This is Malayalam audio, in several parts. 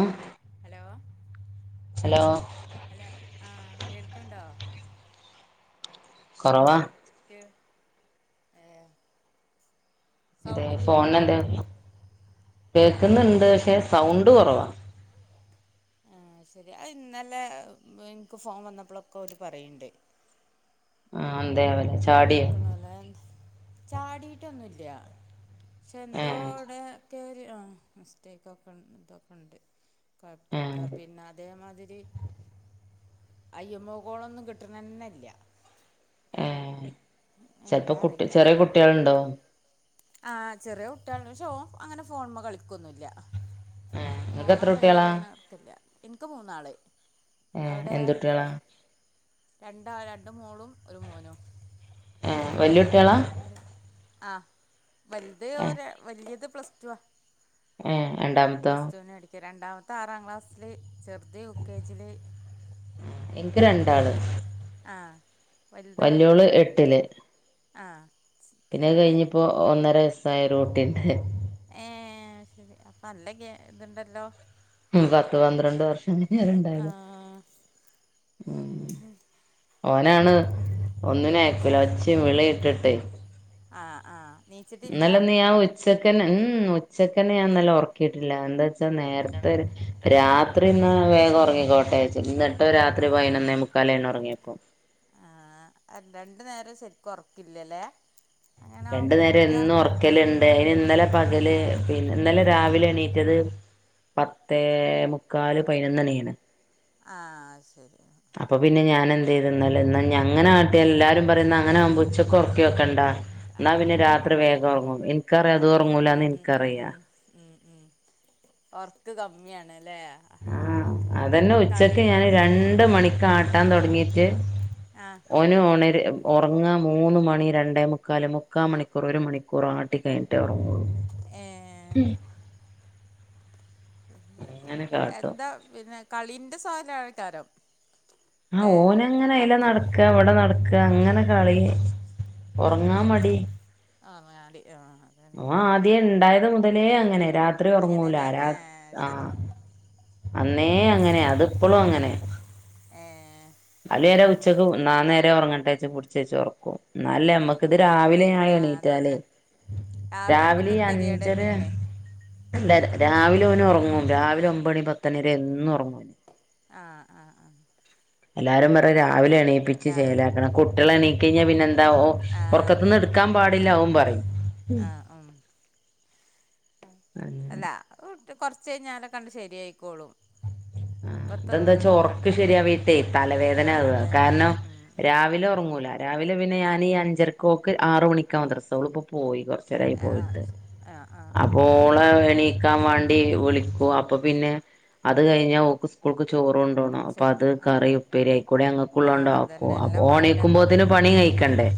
അഹ് ഹലോ ഹലോ ഹലോ ആഹ് കേൾക്ക്‌ണ്ടോ കൊറവാ കേ ഏഹ് അതെ ഫോണ്ണ്ണ്ട് കേക്ക്‌ന്ന്ണ്ട് പക്ഷെ സൗണ്ട് കൊറവാ ആഹ് ശെരി അയിന്നലെ എനിക്ക് ഫോണ് വന്നപ്പൊളൊക്കോര് പറയ്ണ്ട് ആഹ് എന്തേഅവോലെ വിളിക്കണോലേ ചാടിട്ടൊന്നുല്ല പക്ഷെ ഏ എന്തോ ഇവിടെക്കെരു മിസ്റ്റേക്കൊക്ക്തൊക്ക്‌ണ്ട് ഏ കൊഴപ്പൊക്കെ പിന്നതേമാതിരി അയ്യെമ്മെ കോളൊന്നും കിട്ട്ണെന്നില്ല ഏഹ് ചെലപ്പൊ എന്താ കുട്ടി ചെറിയ കുട്ടികള്ണ്ടോ ആഹ് ചെറിയ കുട്ടികള്ണ്ട് പക്ഷേ ഓൻ അങ്ങനെ ഫോണ്മെ കളിക്കൊന്നുല്ല ഏ നിങ്ങക്ക് എത്ര ഫോണോന്റെ കുട്ടികളാ കയ്യിലങ്ങനെ കൊട്ക്കലില്ല എനിക്ക് മൂന്നാള് ഏ അവിടെ എന്ത് കുട്ടികളാ രണ്ട് ആഹ് രണ്ട് മോളും ഒരു മോനും ഏഹ് വല്യകുട്ടികളാ ആഹ് വലുത് ഏ ഒര വല്യത് പ്ലസ് ടു ആഹ് ഏ രണ്ടാമത്തോ പ്ലസ് ടൂന് പഠിക്കാ രണ്ടാമത്തെ ആറാം ക്ലാസ്സില് ചേർ ത് യു കെ ജില് എനിക്ക് രണ്ടാള് ആഹ് വല്ല്യോള് എട്ടില് ആഹ് പിന്നെ അത് കഴിഞ്പ്പോ ഒന്നര വെയസ്സായ ഒര് കുട്ടിണ്ട്. ഏഹ് അഹ് ശെരി അപ്പൊ നല്ലഗ ഇത് ഉണ്ടല്ലോ. മം പത്ത്പന്ത്രണ്ട് വർഷം കയ്ഞ്ഞട് ആ ഇണ്ടായത. ഉം ഓനാണ് ഒന്നിനും അയക്കൂല ച്ചിംവിളീം ഇട്ട്ട്ടേയ് ആഹ് ആഹ് ഇന്നലെന്ന് ഞാൻ ഉച്ചക്കെന്നെ മ്ഹ് ഉച്ചക്കെന്നെ ഞാൻ ഇന്നലെ ഉറക്കിയിട്ടില്ല എന്താ ന്നേരത്തെ രാത്രി എന്ന വേഗം ഒറങ്ങിക്കോട്ടെ വിജാർച്ട്ട് ത് രാത്രി പയ്നൊന്നേ മുക്കാലായിണ് ഒറങ്ങിയപ്പോ ആഹ് രണ്ട്നേരം ശരിക്കും ഒർക്കില്ലല്ലേ? രണ്ട്നേരം എന്നും ഒർക്കല്ണ്ട് അയ്ന് ഇന്നലെ ആ പകല് ആ പിന്നെ ഇന്നലെ രാവിലെ എണീറ്റത് പത്തേമുക്കാല് പതിനൊന്നണിക്ക്‌ ആണ് ആഹ് ശെരി. അപ്പോ പിന്നെ ഞാനെന്ത്യ്യ്ത് ഇന്നലെ ഇന്നാ ഞങ്ങടെ നാട്ടിൽ എല്ലാരു പറയും അങ്ങനെയാകുമ്പോ ഉച്ചക്കൊർക്കി നോക്കണ്ട. ആ ഇന്നാ. പിന്നെ രാത്രി വേഗം ഒറങ്ങും ഇൻക്കറിയാം അത് ഉറങ്ങും ഉം ഒറങ്ങൂലാന്ന് ഉം ഉം ഇൻക്കറിയ. ഉം ഉം ഉം ഒർക്ക് കമ്മിയാണ്ലേ. ആഹ് അതെന്നെ ഉച്ചക്ക് ഞാന് രണ്ട് മണിക്കാട്ടാൻ തോട്‌ങ്ങീട്ട് ആഹ് ഓന് ഒണരാ ഒർങ്ങ മൂന്ന്മണി രണ്ടേ മുക്കാൽ മുക്കാൽമണിക്കൂർ ഒര് മണിക്കൂറാണ് ആട്ട ട്ടി കയിഞ്ഞിട്ടേ ഒറങ്ങുള്ളു ഏ അങ്ങനെ കാട്ടും എന്താ പിന്നെ കളിന്റെ സോലായ്ക്കാരം. ആഹ് ഓനങ്ങനെ അയ്ലെ നടക്ക ഇവടെ നടക്ക ആ അങ്ങനെ ഉം ഉം കളി ഉം ഒറങ്ങാൻ മടി ആഹ് മാടിയാ ഓൻ ആദ്യം ഇണ്ടായത് മുതലേ അങ്ങനെ രാത്രി ഒറങ്ങൂല അങ്ങനെന്നെ രാ ഏ ശരി ആഹ് അന്നേ അങ്ങനെ അതിപ്പളും അങ്ങനെ ഏഹ് അല്ലെന്നാര ഉച്ചക്ക് ന് ഞാൻ നേരം ഒറങ്ങട്ടെച്ച് പുടിച്ച് വെച്ച് ഒർക്കും. എന്നാലല്ലേ ആഹ് മ്മക്ക് ഇത് ഉം രാവിലെ ഞാൻ ആഹ് എണീറ്റാല് അതന്നെ രാവിലെ നമ്മക്കൊരു ഈ കെതിയേട് അഞ്ചര തന്നെയാണ് ഇല്ല രാവിലെ ഓന് ഒർങ്ങും രാവിലെ ഒമ്പത് മണി പത്ത് മണിവെരെന്നും ഒർങ്ങും. ആഹ് ആഹ് ആഹ് എല്ലാരും അതെ പറയും രാവിലെ എണിയിപ്പിച്ച് രാവിലെ ചേലാക്കണം ഉം കുട്ടിയാള് ഉം എണീറ്റ് ഉം കയിഞ്ഞ പിന്നെന്താ ഓ ആഹ് ഒറക്കത്ത്ന്ന് അതന്നെ എടുക്കാൻ പാടില്ല ഓൻ പറയും. ആഹ് ഉം അങ്ങനെ അല്ല അത് കൊർച്ചഴിഞ്ഞാലൊക്കണ്ട് ശെരിയായ്ക്കോളും. ആഹ് ഇതേന്തേച്ചാ ഒർക്ക് ശെരിയാവെയ്ട്ടേ തലവേദവാന ആഹ് അതന്നെ കാരണം ഉം ഉം രാവിലെ ഒർങ്ങൂല. രാവിലെ പിന്നെ ഞാനീ അഞ്ചർക്ക് ഓക്ക് ആറ്മണിക്ക മദ്രസ് ഓളിപ്പോ പോയി കൊർ കോറച്ച് നേരം ആയി ആഹ് പോയിട്ട് ശ ആഹ് ആഹ് ആഹ് അപ്പോ ഓളെ എണീക്കാൻ വാ വിളികും അപ്പൊ പിന്നെ അത് കഴിഞ്ഞ ഓക്ക്‌ സ് കൂൾക്ക് ചോറ്ണ്ടോണം സു അപ്പൊ അത് കറി ആഹ് ഉപ്പേരി ആയിക്കൂടെ ഞങ്ങക്കുള്ളത് ആഹ് ഉണ്ടാക്കും അതന്നെ അപ്പോ എല്ലാം ഓന് വാണ്ടേ നമ്മള് എണീക്കുമ്പോത്തിന് പണികയും. കണ്ടേ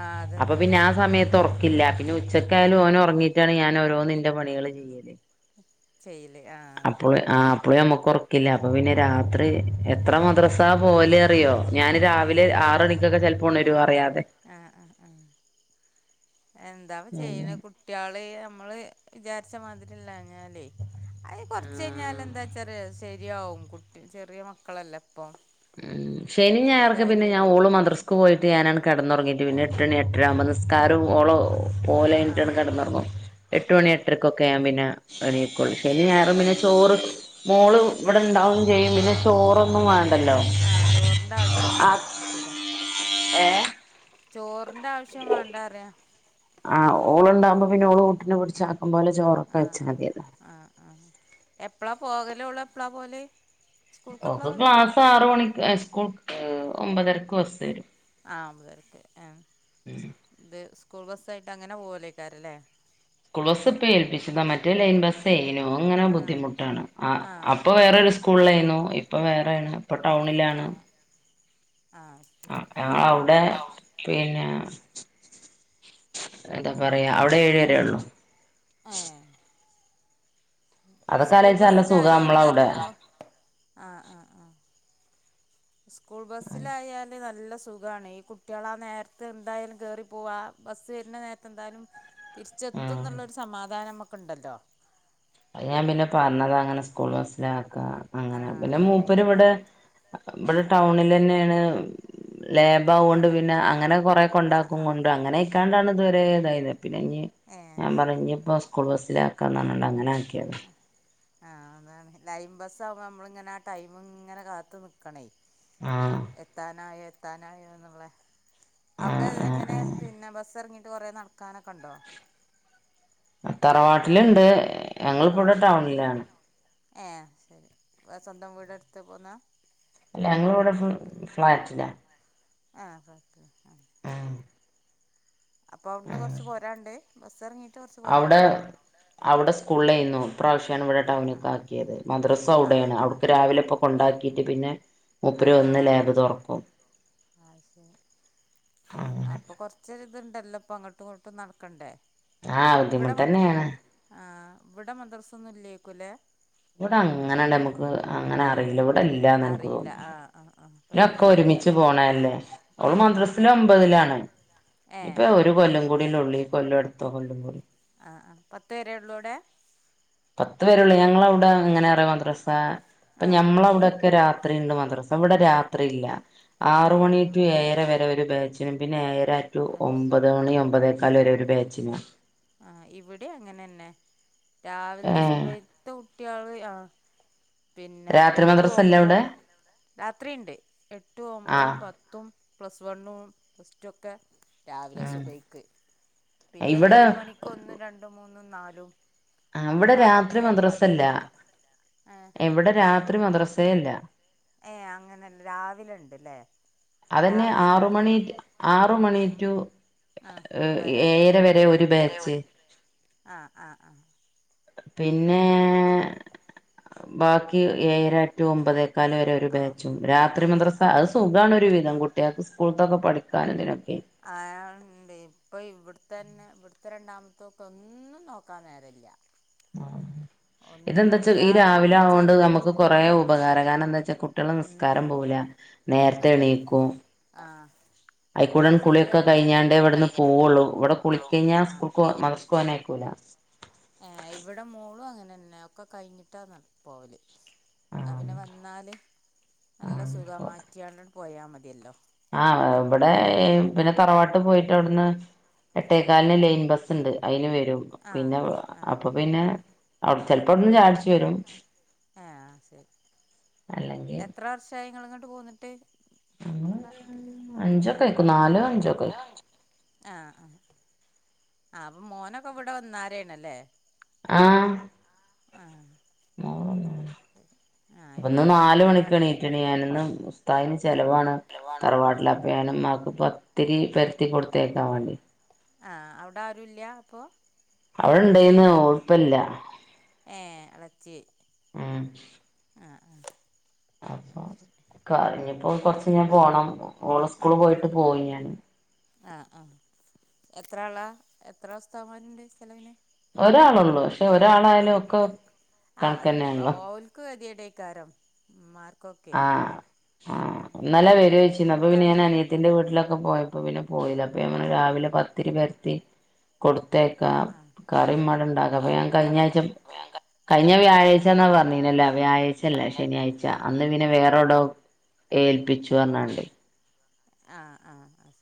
ആഹ് അപ്പൊ. അതന്നെ പിന്നെ ആഹ് സമയത്ത് ഒർക്കില്ല പിന്നെ ആഹ് ഉച്ചക്കായാലും ആഹ് ഓന് ഒർങ്ങി റ്റാണ് ഞാന് ഓരോന്നിന്റെ പണികൾ ചെയ്യല് ചെയ്യല് ആഹ് അപ്പോ ആപ്പള് ആഹ് ഞമ്മക്ക് ഒറ- കില്ല അപ്പൊ പിന്നെ രാത്രി എത്ര മദ്രസാ പോവല് അറിയോ ഞാന് രാവിലെ ഏഹ് ശരി ആറണിക്കൊക്കെ ചെൽപ്പോ ഉണരും അറിയാതെ ആഹ് ആഹ് ആഹ് എന്താപ്പോ ചെയ്യ്ണ് അങ്ങനെ കുട്ടിയാള് ഞമ്മള് വിചാരിച്ചമാതിരില്ലാഞ്ഞാല് അഹ് കൊർച്ച് കഴിഞ്ഞാലെന്താച്ചാൽ ശെരിയാവും കുട്ടി ചെറിയമക്കളല്ലേ ഇപ്പൊം ഉം ശെനിംഞായറൊക്കെ പിന്നെഞാ ഓള് മദ്രസ്ക്ക്പോയിട്ട് ഞാനാണ് കട്ന്നൊർങ്ങീട്ട് പിന്നെഎട്ടണിഎട്ടരാമ്പോ നിസ് നിസ്കാരോം ഓളെ ആഹ് ആഹ് ഓലെയ്റ്റാണ്ട് കെടന്നൊർങ്ങും. എട്ടുമണി ആഹ് എട്ടരക്കൊക്കെ ഞാൻ പിന്നെ എണീകൊള്ളു എണീക്കലുള്ളൂ ശെനീംഞായറും പിന്നെ ഏഹ് ചോറ് മോള് ചോ ഇവിടെ ഇണ്ടാവും ചെയ്യും പിന്നെ ചോറൊന്നും വാ ആഹ് ചോറിന്റെ ആവശ്യം വേണ്ട ശരിയാ ഏഹ് ചോറിന്റെ ആവശ്യം വാണ്ടാറിയ ആ ഓള്ണ്ടകുമ്പോ പിന്നെ ഓള് കുട്ടിനെ പിടിച്ചാ ആക്കംപോലെ ചോറൊക്കെ ആഹ് വെച്ചാ ആഹ് മതിയല്ലോ ആഹ് ആഹ് എപ്പളാ പോകലോള് എപ്പളാ പോല് ഓക്ക് ക്ലാസ്സാറ്മണിക്ക് എ സ്കൂൾ ഒമ്പതരക്ക് ബസ്സെരും ആ ഒമ്പതേർക്കെ ആ ഇത് സ്കൂൾ ബസ്സായിട്ട് അങ്ങനെ പോവലേക്കാരല്ലേ സ്കൂൾ ബസ്സ്‌പ്പോൽപ്പിച്ചതാ മറ്റേ ലൈൻ ബസ് തെയ്നൂ അങ്ങനെ ആഹ് ബുദ്ധിമുട്ടാണ് ആഹ് അപ്പൊ വേറൊരു സ്കൂളിലായിനു ഇപ്പൊ വേറേണ് ഇപ്പ ടൗണിലാണ് ആഹ് ആഹ് ശരി ആഹ് ഞങ്ങങ്ങളവുടെ പിന്നെ എന്താ പറയാ അവിടെ ഏഴു വരേഒള്ളൂ അഎ അതൊക്കെ സ്കൂൾ ആലോചിച്ചാ നല്ല സുഖാ ബസ്സിലായാ എന്താ അറിയോ നമ്മളവിടെ [unintelligible] ആഹ് ആഹ് ആഹ് സ്കൂൾ ബസ്സിലായാല് നല്ല സു സുഖാണേയ് ഈ കുട്ട്യാളാ നേര്ത്ത് എന്തായാലും കേറി പോവാ ബസ്സ് വരുന്ന നേര്ത്തെന്തായാലും ഉം തിരിച്ചെത്തുംന്നുള്ളൊരു സമാധാനം നമുക്ക്ണ്ടല്ലോ ഞാൻ പിന്നെ പറഞ്ഞതാ അങ്ങനെ സ്കൂൾ ബസ്സിലാക്കാ അങ്ങനെ ആഹ് പിന്നെ അതാണ് മൂപ്പര് ഇവിടെ മറ്റ് ബടെ ടൗണിലെന്നേണ് ലേബാവോണ്ട് കട പിന്നെ അങ്ങനെ കൊറേ ആഹ് കൊണ്ടാകും ആഹ് കണ്ട്രരും അങ്ങനയ്ക്കാണ്ടാണ് ഇതുവരെ തായത് ത് പിന്നെഞ്ഞി ഏഹ് ഞാൻ പറഞ്ഞു ശരി ഇഞ്ഞി ഇപ്പോ സ്കൂൾ ബസ്സിലക്കാർഞ്ഞിക്കാണ്ട് അങ്ങനെ ആക്കി ആഹ് ആ അതാണ് ലൈം ബസ്സാകുമ്പോ നമ്മളിങ്ങനെ ആ ടൈമ്ങ്ങനെ കാത്തു നിക്കണേ ആഹ് എത്താനായോ എത്താനായോന്നുള്ളെ അവിടെ ആഹ് ആഹ് എങ്ങനെ ആഹ് പിന്നെ ബസ്സെറങ്ങീട്ട് കൊറേ നടക്കാനൊക്കണ്ടോ തറവാട്ടിലുണ്ട് ഞങ്ങള്പ്പവടെ ടൗണിലാണ് ഏഹ് അയ്ശരി സ്വന്തം വീടെടുത്ത് പോന്നാ അല്ല ഞങ്ങളിവിടെ ഫ് ഫ്ളാറ്റിലാ ആഹ് കൊഴപല്ല ആഹ് ഉം അപ്പോ അവിടുന്ന് ഉം കൊർച്ച് പോരാണ്ട് ബസ്സ് എറങ്ങിയിട്ട് കൊർച്ച് അവിടെ പോരാണ്ടോ അവിടെ സ്കൂളിലേയ്ന്നു ഇപ്രാവശ്യാണ് ഇവിടെ ആ ആ ടൗണിക്കാക്കിയത് മദ്രസ ആ അവിടേണ് ആ അവിടുക്ക് രാവിലെപ്പൊ കൊണ്ടാക്കിയിറ്റ് പിന്നെ മൂപ്പര് വന്ന് ആഹ് ലാബ് തുറക്കും അത്ശരി അപ് പ്പൊ കൊർച്ചൊര്ത്ണ്ടല്ലോപ്പൊ അങ്ങോട്ടും ഇങ്ങോട്ടും നടക്കണ്ടേ ആ ഇവിടെ ബുദ്ധിമുട്ട് മ തന്നെയാണ് ആഹ് ഇവിടെ മദ്രസൊന്നും ഇല്ലേക്കുല്ലേ ഇവിടെ അങ്ങനാണ്ട് നമ്മക്ക് അങ്ങനെ അറിയില്ല വിടെ ഇല്ലാന്ന് എനിക്ക് അറിയില്ല തോന്നുന്നു. ആഹ് ആഹ് ആഹ് പിന്നൊക്കെ പരിചയം ഒരുമിച്ച് ഇല്ലാത്തോണ്ട് പോണല്ലേ ഓള് ഉം ഉം മദ്രസില് ഒമ്പതിലാണ് ഞ്ഞിപ്പൊ ഏഹ് ഒരു കൊല്ലം കൂടില്ലേ ഒള്ളു ഈകൊല്ലം അടുത്ത കൊല്ലം കൂടി ആഹ് ആഹ് പത്ത് വരേള്ളൂ അവിടെ പത്ത് വരള്ളൂ ഞങ്ങളവിടെ എങ്ങനെ അറിയൊ മദ്രസാ അപ്പൊ ആഹ് ഞമ്മളവിടെയൊക്കെ രാ ത്രിണ്ട് മദ്രസ ഇവിടെ രാത്രില്ല ആറ് മണി ഏഹ് ടു ഏഴര വരെ ഒരു ബാച്ച് പിന്നെ ഏഴര റ്റു ആഹ് ഒമ്പത് മണി ആഹ് ആഹ് ഒമ്പതേക്കാല് ഒര ആഹ് ഒരു ബാച്ചിന് ആഹ് ഇവിടിം അങ്ങനെന്നെ രാവിലത്തെ ഏഹ് സുബഹിത്തെ കുട്ട്യാള് ആ പിന്നെ രാത്രി എട്ടു മദ്രസല്ലേ ഒമ്പും അവിടെ രാത്രിണ്ട് എട്ടു ആഹ് ഒമ്പും പത്ത് ത്തും പ്ലസ് വണ്ണും പ്ലസ് ടു ഒക്കെ രാവിലെ ഉം സുബയ്ക്ക്. പിന്നെ ഇവിടെ ഏഴ് മണിക്ക് ഒന്നും രണ്ടും മൂന്നും നാലും അ പിന്നെ വ്ടെ രാത്രി രാത്രിയാണ് മദ്രസല്ല, ബാക്കിയുള്ളതൊക്കെ എവ്ടെ രാത്രി മദ്രസേ ഇല്ല ഏ അങ്ങനെല്ല രാവിലണ്ട് ലേ? അതന്നെ രാവിലെ ആറ് മണി എല്ലാര്ക്കും... ആറ് മണി ടു ആ അ് ഒമ്പതര ഏഴര വരെ ഒരു ബാച്ച്. ആഹ് ആഹ് ആഹ് പിന്നെ... ബാക്കി ഏഴര ടു ഒമ്പതേക്കാല് വരെ ഒ ആ ബാച്ചും ഉണ്ട്, ആ രാത്രി മദ്രസ അത് സുഖാണ് ഒരു വിധം. കുട്ട്യാക്ക് സ്കൂൾത്തൊക്കെ പഠിക്കാനും തിനൊക്കെ. അയാൾണ്ട്, ഇപ്പൊ ഇവിട്ത്തന്നെ, ഇവിട്ത്തെ രണ്ടാമത്തോക്ക് ഒന്നും നോക്കാൻ നേരല്യ. ഇതെന്താച്ചാ, ഈ രാവിലെ ആവോണ്ട് വിളിച്ചാലിട്ട് നമ്മക്ക് കുറേ എണീക്കൂല്ല ഉപകാര. കാരണന്താച്ചാ, കുട്ട്യള, ഉം നിസ്കാരം ഉം പോവൂലാ. നേര്ത്തെ എണീക്കും. ആഹ് അയിക്കൂടൻ കുളിയൊക്കെ കഴിഞ്ഞാണ്ടേ വട്ന്ന് പോവുള്ളൂ, ഇവിടെ കുളിക്കയ്ഞ്ഞാ ആ സ്കൂൾക്കൊ മദ്രസ്ക്കോവാനയക്കൂല. ഏ, ഇവിടെ മോളും അങ്ങനെന്നെ, ഒക്കെ കഴിഞ്ഞിട്ടാന്നറിം പോവല്, ന്നാപിന്നെ വന്നാല്... നല്ല സുഖാ, മാറ്റ്യാണ്ടണ്ട് പോയാ മത്യല്ലോ. ആഹ് അഹ് ബടെ ഏ പിന്നെ തറവാട്ട് പോയിട്ട് അവിട്ന്ന്.. എട്ടേക്കാലിന് ലൈൻ ബസ്സ് ണ്ട്, അയ്ന് വരും. ആ പിന്നെ ആ അപ്പ ആ പിന്നെ... ആ അൗ ചെൽപ്പൗട്ന്ന് ചായട്ച്ച് വരും. ഏആഹ് ശരി, അല്ലെങ്കിൽ എത്ര വർഷായി ങ്ങള് ങ്ങട്ട് പോന്നിട്ട്? നാട്ട്ക്ക് അഞ്ചൊക്കേക്കും നാലോ അഞ്ചൊ ആ... [unintelligible] ആഹ് അ, ആ അപ്പൊ മോനൊക്കെ ഇവിടെ വന്നാരേണ് ല്ലേ? ആഹ്, ആഹ് മോൻ വന്ന്ണ്. അപ്പൊന്ന് ഇപ്പൊ നാല് ഇപ്പൊ ഇവിടെ മണിക്ക് അടുത്ത് എണീറ്റ്ണ് ഞാനിന്ന്. താദിന് ചെലവാണ്. ചെലവാണ്. വാട്ടിലാപ്പ ഞാന് മ്മാക്ക് പത്തിരി പര്ത്തി കൊടുത്തയക്കാൻ വാണ്ടി. ആഹ്, ഔടാരുല്യ അപ്പൊ? അവിടെ ഇണ്ടായിന്ന് ഓളിപ്പല്ല [inaudible] ഏ, എളച്ചി. ഉം ആഹ് ആഹ്, ആ ശരി. ക ഇഞ്ഞിപ്പോ കൊർച്ചയ്ഞ്ഞാ പോണം. ഓളസ്കൂൾല് ആ പോയിട്ട് പോവും ഞാൻ. ആഹ് ആഹ് എത്രാളാ? എത്ര ഉസ്താദ്മാര്ണ്ട് ചെലവിന്? ഒരാളൊള്ളൂ. പക്ഷെ, ഒരാളായാലും ആഹ് ഒക്കെ കൺക്കന്നേണല്ലോ? ക്ക് കെത്യേടേക്കാരം ഉം മാർക്കൊ ആഹ് ആഹ്, ഇന്നലെ വരോയ്ച്ചിന്നപ്പൊ പിന്നെ ഇണ്ടായോണ്ട് ഞാനനിയത്തിന്റെ വീട്ടിലൊ ക്കൊ പോയപ്പോ പിന്നെ പോയീല. അപ്പഞാൻ രാവിലെ പത്തിരി പെരത്തി കൊടു ത്തേക്ക. ആഹ് ആഹ് കറി മ്മടെണ്ടാക്ക അപ്പ ആഹ് ഞാൻ കയ്ഞ്ഞ ആഴ്ച... കയ്ഞ്ഞ വ്യാഴാഴ്ച്ചന്ന പറഞ്ഞീനെ ല്ല വ്യാഴാഴ്ചല്ല, ശനിയാഴ്ച. അന്ന് പിന്നെ വേറൗടോ... ഏൽപ്പിച്ചുഅർനാണ്ട്. ആഹ് ആഹ് അഹ്സ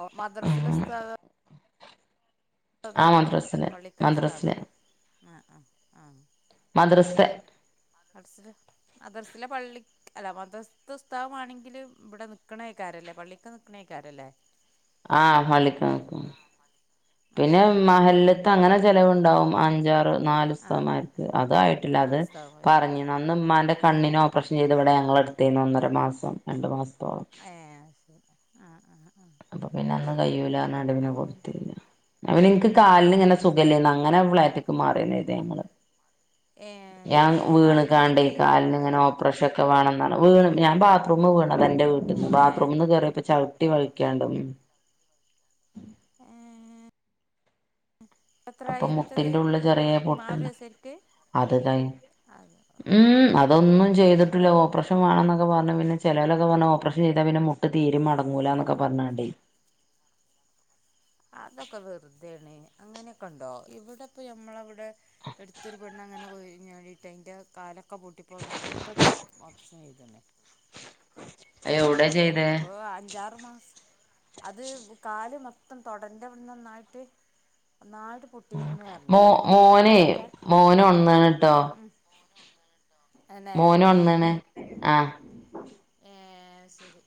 ഓ മദ്രസിലെ അങ്ങനെ ഉസ്താദ്... അതോ? ആ പള്ളി മദ്രസില് മദ്രസില് പള്ളിക്കലസ്ഥതാണ്. ആആഹ് ആഹ്. മദ്രസ്തെ [unintelligible] മദർസിലെ പള്ളി, അല്ല മദർസത്തെ ഉസ്താദ് മാണെങ്കില് ബ്ടെ നിക്കണേക്കാരല്ലേ? പള്ളിക്ക നി ക്ക്ണേക്കാരല്ലേ? ആഹ്, പള്ളിക്ക നിക്കണ. ആഹ് പിന്നെ ആഹ് മഹല്ല്ത്തെ അങ്ങനെ ചെലവുണ്ടാവും, അഞ്ചാറ് നാല് ആഹ് ഉസ്താദ്മാർക്, അതായിട്ടില്ല, നാല് അത് ദിവസത്താകും വരും പറഞ്ഞീന്ന് അന്ന് ഉമ്മാന്റെ കണ്ണിനോ പക്ഷെ ഇവിടെ ഞങ്ങള എടുത്ത് ഒന്നര മാസം രണ്ട് മാസത്തോളം ഏഹ് ആഹ് ആഹ് ആഹ് ആഹ് അപ്പൊ പിന്നെ അന്നും കയ്യുല്ല നടുവിന് അപ്പൊ പിന്നെ കൊടുത്തില്ല അവനിക്ക് ആഹ് കാലിന് ഇങ്ങനെ സുഖല്ലായ്യഞ്ഞ് അങ്ങനെ ഉമ്മാടെ ഇതേ ടൈംമില് ഏഹ് ഞാൻ എന്തേ വീണ് കാലിനെന്ത് കണ്ട പറ്റി കാലിന് ഇങ്ങനെ ഒ ബ്രഷ് ഒക്കെ വേണന്നാണ് വീണ് ഞാൻ ബാത്റൂമിൽ വീണത എന്റെ വീട്ടീന്ന് നിന്ന് തന്നെ ബാത്റൂമിന്ന് കെറിയപ്പോ ചവട്ടി വഴി കേണ്ടം ഏഹ് അപ്പൊ എത്രായി എന്നിട്ടത് മുട്ടിന്റെ ഉള്ള് ചെറിയെ പൊട്ട് ലും ഇണ്ട് മാറിയോ ശരിക്ക് അതേതായി അത് ഉം അ അതൊന്നു ആഹ് ചെയ്യ്തിട്ടില്ല ഓപ്പറേഷ വേണോക്കെ പറഞ്ഞു പിന്നെ ചെലൊലക്കേ പറഞ്ഞ് ഓപ്പറേഷൻ ചെയ്യ്താൽ പിന്നെ മു തീര് മടങ്ങൂലന്നൊക്കെ പറഞ്ഞാണ്ടേ അതൊക്കെ വെറുതെ ല്ലേ അങ്ങനെയൊക്കെ ഉണ്ടോ ഇവിടപ്പ ഞമ്മടെ അവിടെ എടുത്തൊരു പെണ്ണ് അങ്ങനെ പോഴിഞ്ഞ് ആടിയിട്ട് അത്തിന്റെ കാല ഒക്കെ പൂട്ടിപ്പോവൻ മൊത്തത്ത് ഓപ്ഷൻ ഇത് തന്നെ [unintelligible] എവിടെ ചെയ്തേ ഇപ്പൊ അഞ്ചാറ് മാസ അത് കാല് മൊത്തം തൊടെന്റെ അവിടുന്ന് നന്നായിട്ട് നന്നായിട്ട് പൊ തീർന്നന്ന് പറഞ്ഞു മോ മോനെ എല്ല് ഒക്കെ മോന് ഒൺന്ന്ണ് ട്ടോ ഉം അന്നെ മോന് ഒന്നണ് ആഹ് ഏഹ് ശരി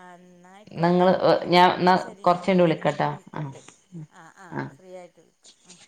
ആന്നാ ന്നാ ക്കോട്ടെ ഇങ്ങള് ഞാൻ ന്നാ എന്നാൽ ശരി ഞാൻ കൊർച്ചയ്ഞ്ഞിട്ട് പിന്നെ വിളിക്കട്ടാ ആഹ് വിളിക്കണ്ട് ആഹ് ആഹ് ഫ്രീ ആയിട്ട് വിളിക്കാം ആഹ്